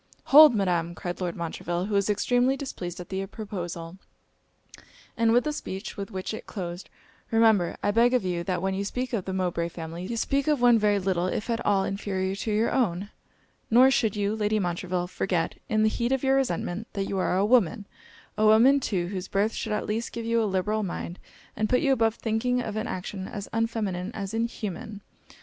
'Hold! Madam,' cried Lord Montreville, who was extremely displeased at the proposal, and with the speech with which it closed 'Remember, I beg of you, that when you speak of the Mowbray family, you speak of one very little if at all inferior to your own; nor should you, Lady Montreville, forget, in the heat of your resentment, that you are a woman a woman too, whose birth should at least give you a liberal mind, and put you above thinking of an action as unfeminine as inhuman.